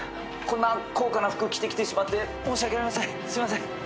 こんな高価な服着てきてしまって申し訳ありません。